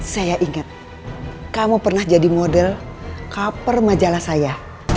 saya ingat kamu pernah jadi model kaper majalah saya